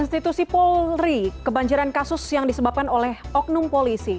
institusi polri kebanjiran kasus yang disebabkan oleh oknum polisi